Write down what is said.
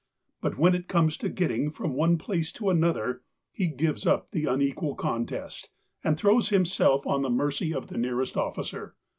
But when it comes to getting from one place to another, he gives up the unequal contest, and throws himself on the mercy of the nearest officer.